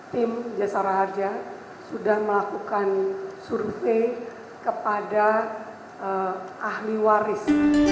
tim jasara harja sudah melakukan survei kepada ahli waris